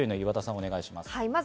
お願いします。